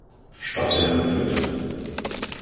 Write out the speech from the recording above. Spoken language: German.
Staffel anführte.